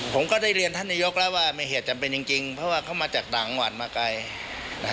ผมก็ได้เรียนท่านนายกแล้วว่ามีเหตุจำเป็นจริงเพราะว่าเขามาจากต่างวันมาไกลนะฮะ